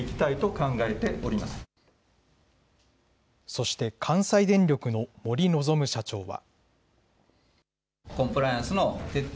そして関西電力の森望社長は。